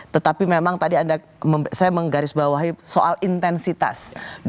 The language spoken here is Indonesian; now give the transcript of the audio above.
tetapi memang tadi anda saya menggarisbawahi soal intensitas